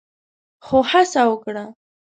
خو هڅه وکړه